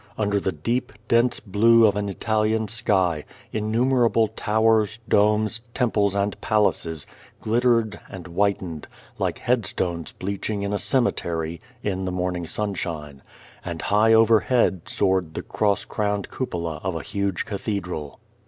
Under the deep, dense blue of an Italian sky, innumerable towers, domes, temples, and palaces, glittered and whitened like headstones bleaching in a cemetery in the morning sunshine ; and high overhead soared the cross crowned cupola of a huge cathedral.